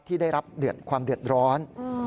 ที่ได้รับความเดือดร้อน